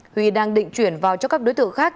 huy đang định chuyển vào cho các đối tượng khác